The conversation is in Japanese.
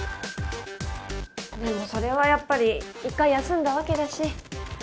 でもそれはやっぱり一回休んだわけだし。